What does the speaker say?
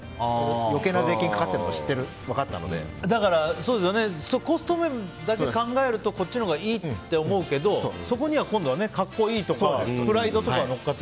余計な税金がかかっているのがコスト面だけを考えるとこっちのほうがいいって思うけどそこには今度格好いいとかプライドとかが乗っかって。